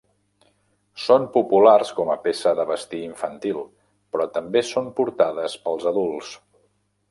Són populars com a peça de vestir infantil però també són portades pels adults.